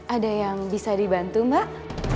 ada yang bisa dibantu mbak